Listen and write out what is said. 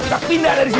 kita pindah dari sini